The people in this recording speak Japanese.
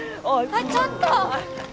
あっちょっと！